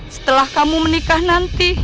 setelah kamu menikah nanti